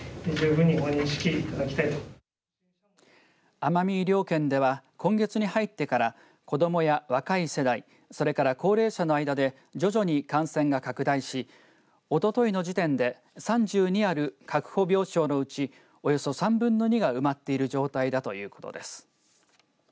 奄美医療圏では今月に入ってから子どもや若い世代それから高齢者の間で徐々に感染が拡大しおとといの時点で３２ある確保病床のうちおよそ３分の２が埋まっている状態だということです。